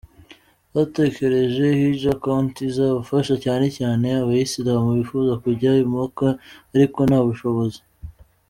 Batekereje “Hidja Account” izafasha cyane cyane abayisilamu bifuza kujya i Maka ariko nta bushobozi.